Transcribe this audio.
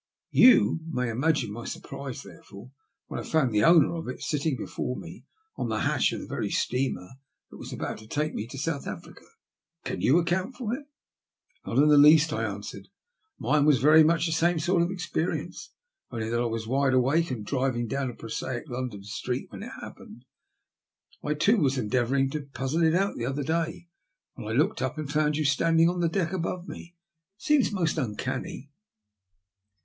You may imagine my surprise, therefore, when I found the owner of it sitting before me on the hatch of the very steamer that was to take me to South Africa. Can you account for it?" '< Not in the least," I answered. Mine was very much the same sort of experience, only that I was wide awake and driving down a prosaic London street when it happened. I, too, was endeavouring to puzzle it out the other day when I looked up and found you standing on the deck above me. It seems most uncanny."